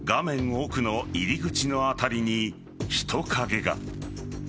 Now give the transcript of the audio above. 奥の入り口の辺りに人影が。